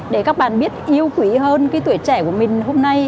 để các bạn biết yêu quý hơn cái tuổi trẻ của mình hôm nay